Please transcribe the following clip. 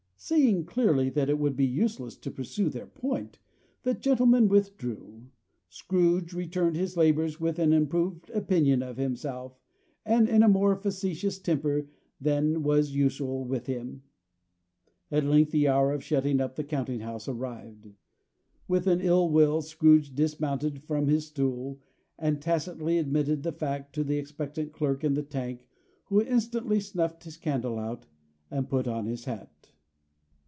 Seeing clearly that it would be useless to pursue their point, the gentlemen withdrew. Scrooge resumed his labors with an improved opinion of himself, and in a more facetious temper than was usual with him. At length the hour of shutting up the counting house arrived. With an ill will Scrooge dismounted from his stool, and tacitly admitted the fact to the expectant clerk in the tank, who instantly snuffed his candle out, and put on his hat.